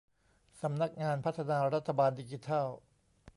สำนักงานพัฒนารัฐบาลดิจิทัล